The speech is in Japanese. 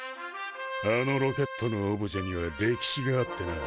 あのロケットのオブジェには歴史があってな。